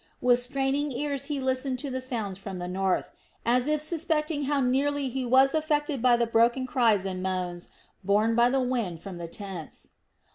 With straining ears he listened to the sounds from the north, as if suspecting how nearly he was affected by the broken cries and moans borne by the wind from the tents.